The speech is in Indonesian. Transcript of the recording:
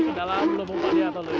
ke dalam lubung padia atau lubung